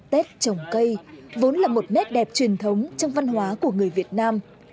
tết trồng cây vốn là một nét đẹp truyền thống trong văn hóa của người việt nam